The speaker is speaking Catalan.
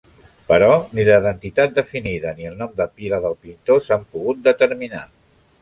Però ni la identitat definida ni el nom de pila del pintor s'han pogut determinar.